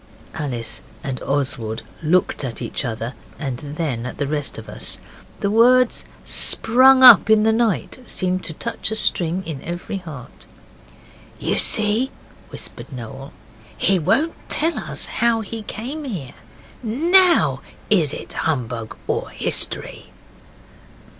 Alice and Oswald looked at each other, and then at the rest of us. The words 'sprung up in the night' seemed to touch a string in every heart. 'You see,' whispered Noel, 'he won't tell us how he came here. NOW, is it humbug or history?